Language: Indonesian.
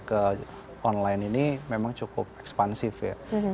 ke online ini memang cukup ekspansif ya